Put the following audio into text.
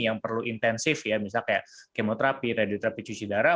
yang perlu intensif misalnya kayak kemoterapi radioterapi cuci darah